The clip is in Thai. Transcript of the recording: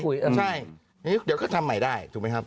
เดี๋ยวก็ทำใหม่ได้ถูกไหมครับ